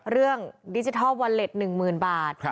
เรื่องดิจิทัลวอลเล็ต๑๐๐๐๐บาท